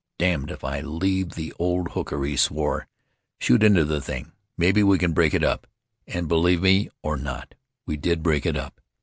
'Damned if I leave the old hooker,' he swore. 'Shoot into the thing — maybe we can break it up.' And, believe me or not, we did break it up.